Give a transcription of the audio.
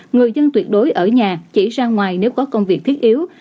người dân tuyệt đối ở nhà chỉ ra ngoài nếu có công việc thiết yếu